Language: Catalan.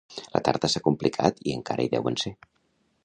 La tarda s'ha complicat i encara hi deuen ser